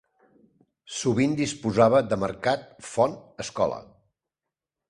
Sovint disposava de mercat, font, escola.